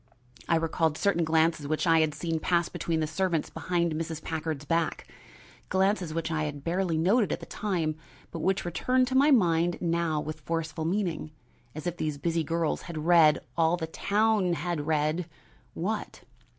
I recalled certain glances which I had seen pass between the servants behind Mrs. Packard's back, glances which I had barely noted at the time, but which returned to my mind now with forceful meaning; and if these busy girls had read, all the town had read what?